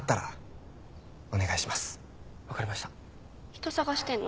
人捜してんの？